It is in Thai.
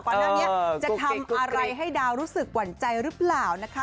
ก่อนหน้านี้จะทำอะไรให้ดาวรู้สึกหวั่นใจหรือเปล่านะคะ